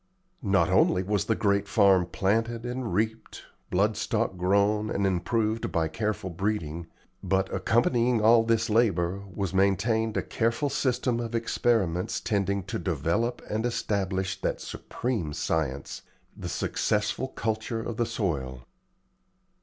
Not only was the great farm planted and reaped, blood stock grown and improved by careful breeding, but, accompanying all this labor, was maintained a careful system of experiments tending to develop and establish that supreme science the successful culture of the soil.